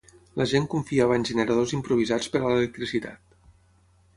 La gent confiava en generadors improvisats per a l'electricitat.